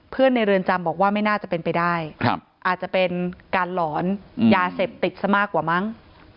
ในเรือนจำบอกว่าไม่น่าจะเป็นไปได้อาจจะเป็นการหลอนยาเสพติดซะมากกว่ามั้ง